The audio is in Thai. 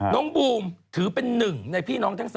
บูมถือเป็นหนึ่งในพี่น้องทั้ง๓